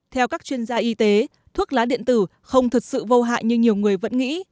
theo các chuyên gia y tế thuốc lá điện tử không thật sự vô hại như nhiều người vẫn nghĩ